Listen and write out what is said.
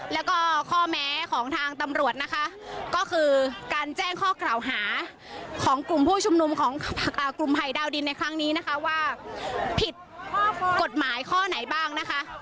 แล้วก็ข้อแม้ของทางตำรวจนะคะก็คือการแจ้งข้อกล่าวหาของกลุ่มผู้ชุมนุมของกลุ่มภัยดาวดินในครั้งนี้นะคะว่าผิดกฎหมายข้อไหนบ้างนะคะ